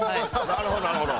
なるほどなるほど。